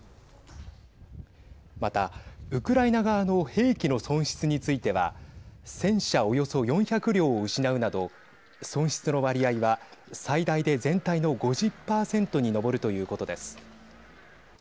また、ウクライナ側の兵器の損失については戦車およそ４００両を失うなど損失の割合は最大で全体の５０％に上るということです。